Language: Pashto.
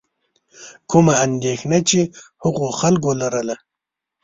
کومه اندېښنه چې هغو خلکو لرله.